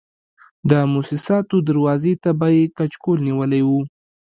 د موسساتو دروازې ته به یې کچکول نیولی و.